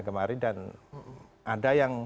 kemarin dan ada yang